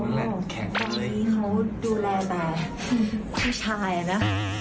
โอ้โฮตอนนี้เขาดูแลแต่ผู้ชายน่ะ